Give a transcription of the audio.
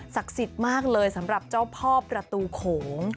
สิทธิ์มากเลยสำหรับเจ้าพ่อประตูโขง